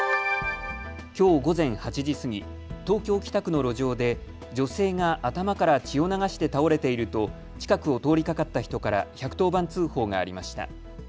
きょう午前８時過ぎ東京北区の路上で女性が頭から血を流して倒れていると近くを通りかかった人から１１０番通報がありました。